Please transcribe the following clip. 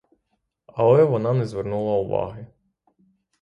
Але вона не звернула уваги.